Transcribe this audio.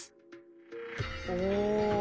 お。